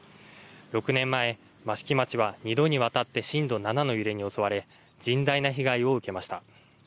６年前、益城町は２度にわたって震度７の揺れに襲われ甚大な被害を受けました。